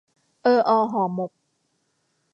เออออห่อหมก